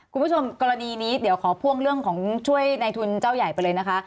คุณผู้ชมกรณีนี้เดี๋ยวขอพ่วงเรื่องของช่วยในทุนเจ้าใหญ่ไปเลยนะคะ